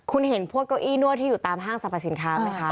คุณเห็นพวกเก้าอี้นวดที่อยู่ตามห้างสรรพสินค้าไหมคะ